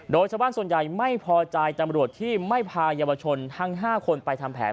โดยชาวบ้านส่วนใหญ่ไม่พอใจตำรวจที่ไม่พายาวชนทั้ง๕คนไปทำแผน